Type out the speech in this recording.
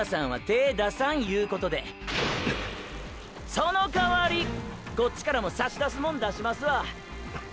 その代わりこっちからも“差し出すモン”出しますわ。